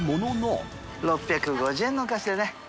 ６５０円のお返しでね。